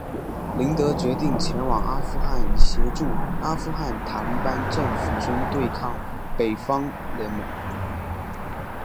林德决定前往阿富汗以协助阿富汗塔利班政府军对抗北方联盟。